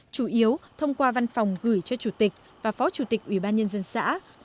chủ yếu thông qua văn phòng gửi cho chủ tịch và phó chủ tịch ủy ban nhân dân xã